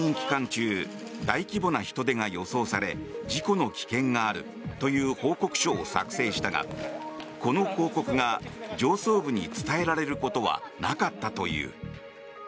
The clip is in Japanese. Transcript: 中大規模な人出が予想され事故の危険があるという報告書を作成したがこの報告が上層部に伝えられることはなかったという。